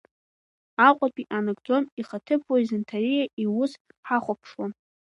Аҟәатәи анагӡком ихаҭыԥуаҩ Занҭариа иус ҳахәаԥшуан.